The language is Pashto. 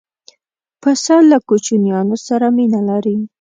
پسه له کوچنیانو سره مینه لري.